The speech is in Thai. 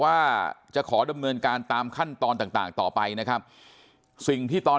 ว่าจะขอดำเนินการตามขั้นตอนต่างต่อไปนะครับสิ่งที่ตอน